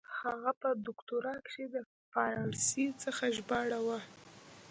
هغه په دوکتورا کښي د پاړسي څخه ژباړه وه.